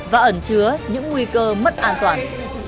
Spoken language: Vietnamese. và ẩn chứa những nguy cơ mất an toàn